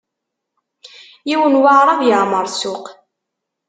Yiwen n waɛṛab yeɛmeṛ ssuq.